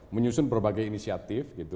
menyusun berbagai inisiatif